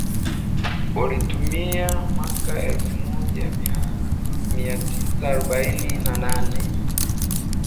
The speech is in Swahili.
ulitimia mwaka elfu moja mia tisa arobaini na nane